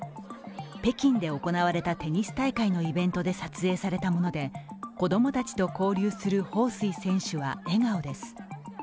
北京で行われたテニス大会のイベントで撮影されたもので、子供たちと交流する彭帥選手は笑顔です。